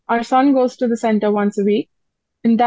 anak kami pergi ke pusat setiap minggu